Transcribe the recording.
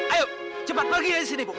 ayo cepat pergi dari sini bu